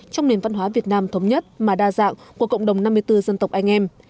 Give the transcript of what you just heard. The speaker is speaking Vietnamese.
trong nền văn hóa việt nam thống nhất mà đa dạng của cộng đồng năm mươi bốn dân tộc anh em